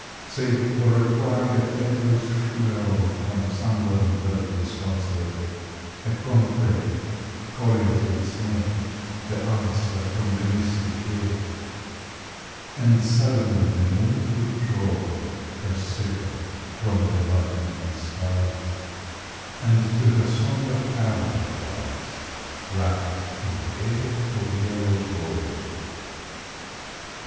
Save for a cry that echoes shrill From some lone bird disconsolate; A corncrake calling to its mate; The answer from the misty hill. And suddenly the moon withdraws Her sickle from the lightening skies, And to her sombre cavern flies, Wrapped in a veil of yellow gauze.